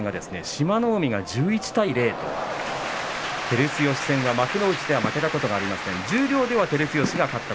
志摩ノ海１１対０と照強戦幕内では負けたことがありません。